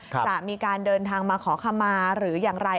จะมีการเดินทางมาขอคำมาหรืออย่างไร